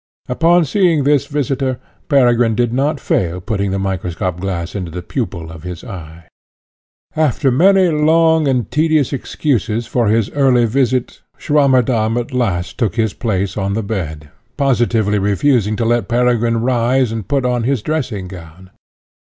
Upon seeing this visitor, Peregrine did not fail putting the microscopic glass into the pupil of his eye. After many long and tedious excuses for his early visit, Swammerdamm at last took his place on the bed, positively refusing to let Peregrine rise and put on his dressing gown.